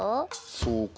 そうか。